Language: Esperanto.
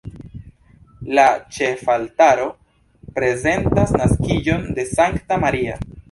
La ĉefaltaro prezentas naskiĝon de Sankta Maria.